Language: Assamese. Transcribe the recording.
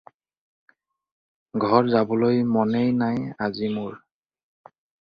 ঘৰ যাবলে' মনেই নাই আজি মোৰ।